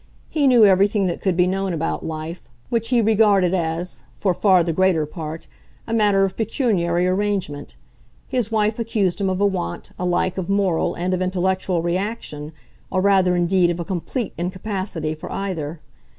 He knew everything that could be known about life, which he regarded as, for far the greater part, a matter of pecuniary arrangement. His wife accused him of a want, alike, of moral and of intellectual reaction, or rather indeed of a complete incapacity for either.